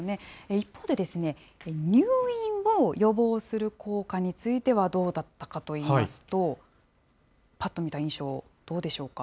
一方で、入院を予防する効果についてはどうだったかといいますと、ぱっと見た印象、どうでしょうか。